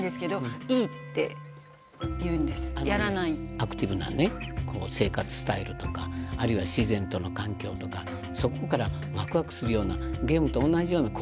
アクティブな生活スタイルとかあるいは自然との環境とかそこからワクワクするようなゲームと同じような興奮をできるとかね。